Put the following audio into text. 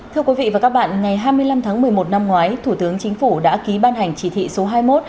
thưa quý vị và các bạn ngày hai mươi năm tháng một mươi một năm ngoái thủ tướng chính phủ đã ký ban hành chỉ thị số hai mươi một